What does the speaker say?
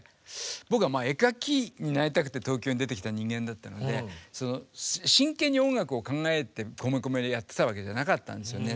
僕は絵描きになりたくて東京に出てきた人間だったので真剣に音楽を考えて米米やってたわけじゃなかったんですよね